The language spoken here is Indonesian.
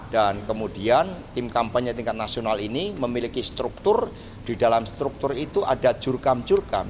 dan kemudian tim kampanye tingkat nasional ini memiliki struktur di dalam struktur itu ada jurukamp jurukamp